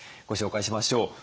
ご紹介しましょう。